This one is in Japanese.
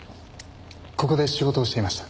ここで仕事をしていました。